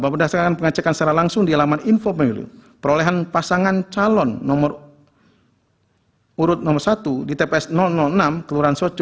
empat bahwa berdasarkan pengajakan pengajakan secara langsung di alaman info pemiliu perolehan pasangan calon nomor tiga puluh enam dua ribu dua puluh dua